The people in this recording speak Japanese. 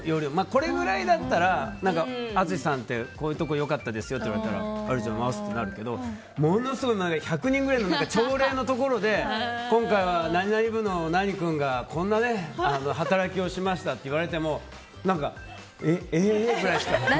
これぐらいだったら淳さん、こういうところ良かったですよって言われたらありがとうございますってなるけどものすごい１００人ぐらいの朝礼のところで今回は何々部の何君がこんな働きをしましたって言われてもえっって。